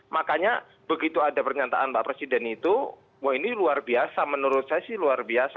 makanya begitu ada pernyataan pak presiden itu wah ini luar biasa menurut saya sih luar biasa